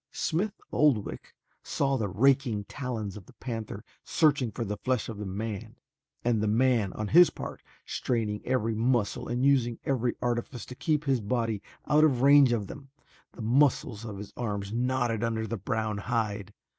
Smith Oldwick saw the raking talons of the panther searching for the flesh of the man and the man on his part straining every muscle and using every artifice to keep his body out of range of them. The muscles of his arms knotted under the brown hide.